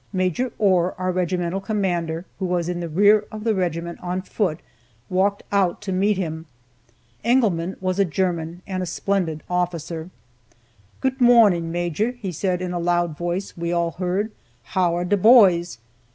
Maj. Ohr, our regimental commander, who was in the rear of the regiment on foot, walked out to meet him. Engelmann was a German, and a splendid officer. "Goot morning, Major," he said, in a loud voice we all heard. "How are de poys?"